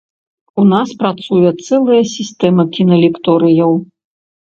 У нас працуе цэлая сістэма кіналекторыяў.